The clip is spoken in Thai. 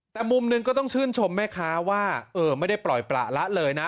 แต่มุมหนึ่งก็ต้องชื่นชมแม่ค้าว่าเออไม่ได้ปล่อยประละเลยนะ